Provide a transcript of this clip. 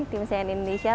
tim sian indonesia